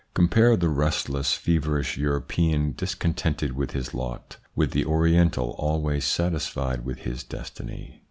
Compare the restless, feverish European, discontented with his lot, with the Oriental, always satisfied with his destiny.